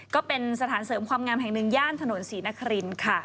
ก็เป็นสถานเสริมความงามแห่งหนึ่งย่านถนนศรีนครินค่ะ